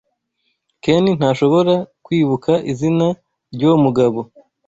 Ken ntashobora kwibuka izina ryuwo mugabo.